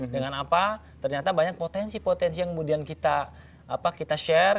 dengan apa ternyata banyak potensi potensi yang kemudian kita share